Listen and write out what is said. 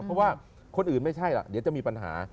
เพราะว่าคนอื่นไม่ใช่ล่ะเดี๋ยวจะมีปัญหา